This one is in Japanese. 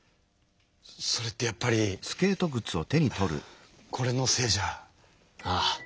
それってやっぱりこれのせいじゃ？ああ。